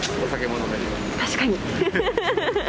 確かに。